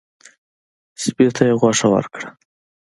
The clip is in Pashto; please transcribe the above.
سپي ته یې غوښه ورکړه.